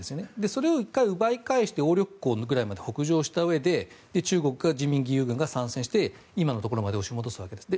それを１回奪い返して北上したうえで中国が人民義勇軍が参戦して今のところまで押し戻すわけです。